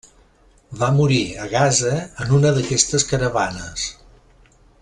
Va morir a Gaza en una d'aquestes caravanes.